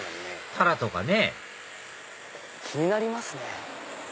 タラとかね気になりますね。